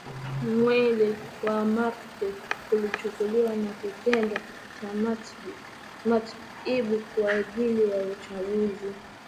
Mwili wa Magreth ulichukuliwa na kitengo cha matab ibu kwaajili ya uchunguzi